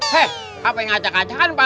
hei apa yang ngacak acakan pak